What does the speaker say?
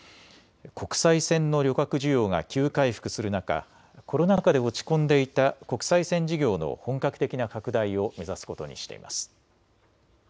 国際線の旅客需要が急回復する中、コロナ禍で落ち込んでいた国際線事業の本格的な拡大を目指すことにしています。